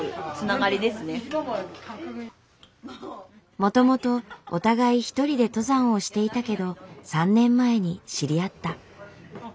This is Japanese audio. もともとお互い１人で登山をしていたけど３年前に知り合った。